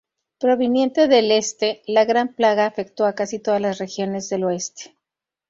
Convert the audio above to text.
Proveniente del este, la Gran Plaga afectó a casi todas las regiones del oeste.